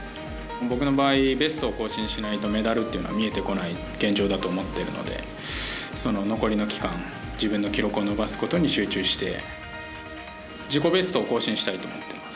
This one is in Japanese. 僕の場合ベストを更新しないとメダルは見えてこない現状だと思っているので残りの期間、自分の記録を伸ばすことに集中して自己ベストを更新したいと思ってます。